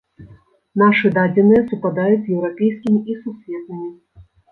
Нашы дадзеныя супадаюць з еўрапейскімі і сусветнымі.